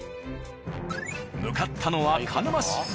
向かったのは鹿沼市。